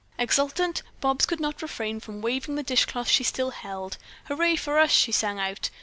Exultant Bobs could not refrain from waving the dishcloth she still held. "Hurray for us!" she sang out.